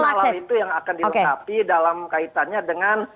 hal hal itu yang akan dilengkapi dalam kaitannya dengan